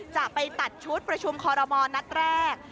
จะไปตัดชุดประชุมคอรมอลนัดแรก